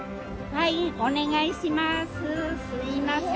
はい。